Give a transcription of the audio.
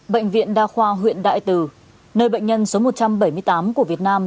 bệnh viện đa khoa huyện đại từ nơi bệnh nhân số một trăm bảy mươi tám của việt nam